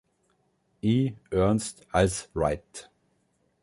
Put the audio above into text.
E. Ernst als Wright.